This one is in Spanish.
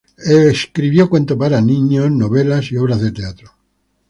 Escribió cuentos para niños, novelas y obras de teatro.